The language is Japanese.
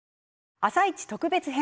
「あさイチ」特別編。